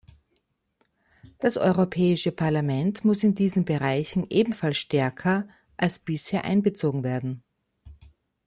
Das Europäische Parlament muss in diesen Bereichen ebenfalls stärker als bisher einbezogen werden.